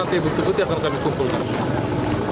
tapi bukti bukti akan kami kumpulkan